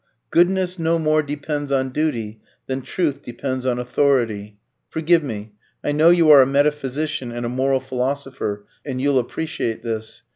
Goodness no more depends on duty than truth depends on authority. Forgive me; I know you are a metaphysician and a moral philosopher, and you'll appreciate this.